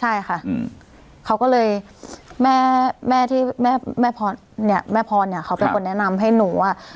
ใช่ค่ะเขาก็เลยแม่พรเขาเป็นคนแนะนำให้หนู